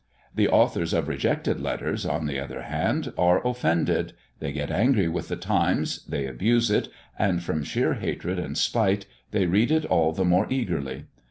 The authors of rejected letters, on the other hand, are offended; they get angry with the Times, they abuse it, and from sheer hatred and spite, they read it all the more eagerly.